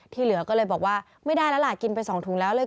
เหลือก็เลยบอกว่าไม่ได้แล้วล่ะกินไป๒ถุงแล้วเลย